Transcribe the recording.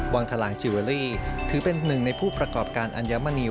วังทลางจิเวอรี่ถือเป็นหนึ่งในผู้ประกอบการอัญมณี